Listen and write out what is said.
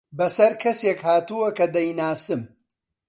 بەسەر کەسێک هاتووە کە دەیناسم.